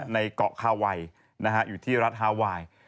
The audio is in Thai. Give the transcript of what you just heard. ในเกาะคาไวอยู่ที่รัฐฮาไวน์